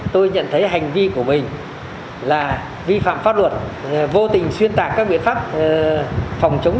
tôi nhận thấy hành vi của mình là vi phạm pháp luật vô tình xuyên tạc các biện pháp phòng chống